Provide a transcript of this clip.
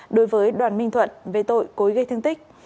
đối với đoàn minh thuận về tội cối gây thương tích